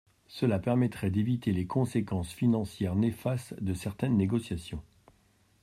Cela permettrait d’éviter les conséquences financières néfastes de certaines négociations.